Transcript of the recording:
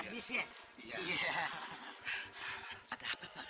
ada apa pak